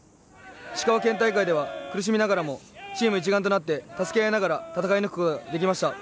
石川県大会では、苦しみながらもチーム一丸となって助け合いながら戦い抜くことが出来ました。